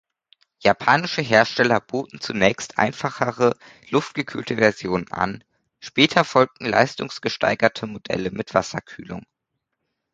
Japanische Hersteller boten zunächst einfachere luftgekühlte Versionen an, später folgten leistungsgesteigerte Modelle mit Wasserkühlung.